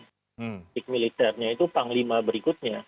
politik militernya itu panglima berikutnya